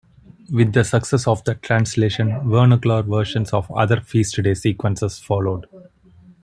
With the success of that translation, vernacular versions of other feast-day sequences followed.